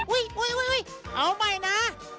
อุ้ยเอาใหม่นะ๑๒๓